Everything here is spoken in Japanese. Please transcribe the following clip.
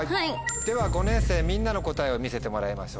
では５年生みんなの答えを見せてもらいましょう。